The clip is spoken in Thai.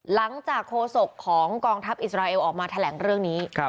หลังจากโคศกของกองทัพอิสราเอลออกมาแถลงเรื่องนี้